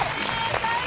最高！